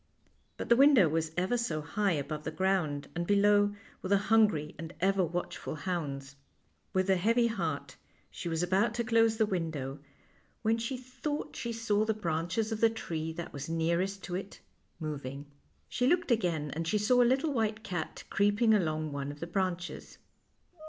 But the window was ever so high above the ground, and below were the hungry and ever watchful hounds. With a heavy heart she was about to close the window when she thought she THE LITTLE WHITE CAT 125 saw the brandies of the tree that was nearest to it moving. She looked again, and she saw a little white cat creeping along one of the branches.